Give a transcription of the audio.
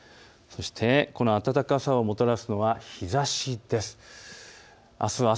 そしてこの暖かさをもたらすのは日ざしです。